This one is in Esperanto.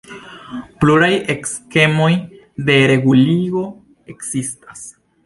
Pluraj skemoj de reguligo ekzistas.